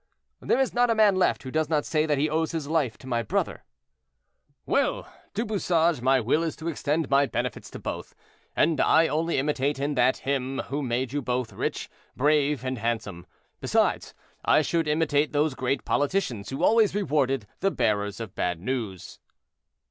"There is not a man left who does not say that he owes his life to my brother." "Well! Du Bouchage, my will is to extend my benefits to both, and I only imitate in that Him who made you both rich, brave, and handsome; besides, I should imitate those great politicians who always rewarded the bearers of bad news."